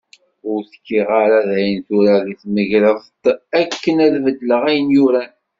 Ur tekkiɣ ara daɣen tura di tmegreḍt akken ad bedleɣ ayen yuran.